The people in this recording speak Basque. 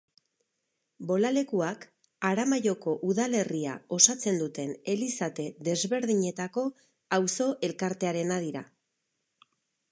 Bolalekuak, Aramaioko udalerria osatzen duten elizate desberdinetako auzo-elkartearena dira.